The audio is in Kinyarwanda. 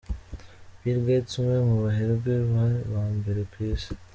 Bill Gates umwe mu baherwe ba mbere ku Isi.